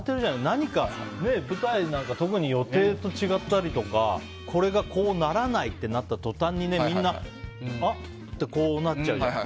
何か舞台なんか特に予定と違ったりとかこれがこうならないってなった途端にみんなあってなっちゃうじゃん。